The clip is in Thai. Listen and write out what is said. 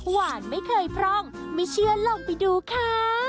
หวานไม่เคยพร้อมไม่เชื่อหลอกไปดูค่ะ